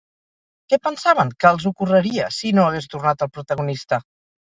Què pensaven que els ocorreria si no hagués tornat el protagonista?